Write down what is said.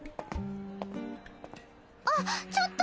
あっちょっと！